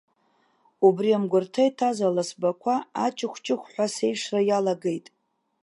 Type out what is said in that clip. Убри амгәарҭа иҭаз аласбақәа аҷыӷәҷыӷә ҳәа сеишра иалагеит.